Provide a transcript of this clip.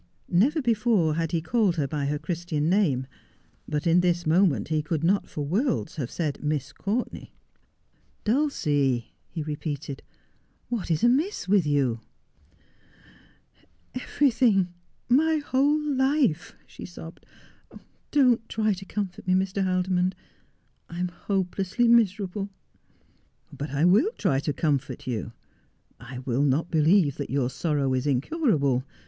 Never before had he called her by her Christian name, but in this moment he could not for worlds have said, ' Miss Courtenay.' ' Dulcie,' he repeated, ' what is amiss with you 1 '' Is he still the Master of your Heart ?' 283 ' Everything ; nay whole life,' she sobbed. ' Don't try to comfort me, Mr. Haldimond. I am hopelessly miserable.' ' But I will try to comfort you. I will not believe that your sorrow is incurable.